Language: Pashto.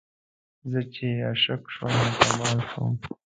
زه چې عشق شومه کمال شوم